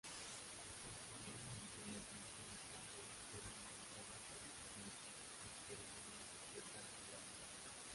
Tradicionalmente los dibujos de puntos fueron utilizados para cubrir las ceremonias secretas-sagradas.